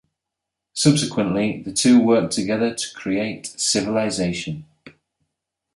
Subsequently, the two worked together to create "Civilization".